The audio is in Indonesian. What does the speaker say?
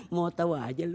mau tau aja lu